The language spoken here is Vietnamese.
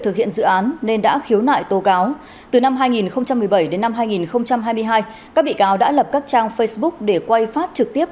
thực hiện dự án nên đã khiếu nại tố cáo từ năm hai nghìn một mươi bảy đến năm hai nghìn hai mươi hai các bị cáo đã lập các trang facebook để quay phát trực tiếp